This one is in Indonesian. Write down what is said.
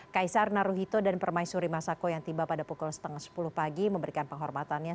kaisar naruhito dan permaisuri masako yang tiba pada pukul setengah sepuluh pagi memberikan penghormatannya